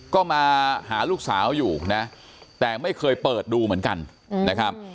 ก็มาหาลูกสาวอยู่นะแต่ไม่เคยเปิดดูเหมือนกันนะครับ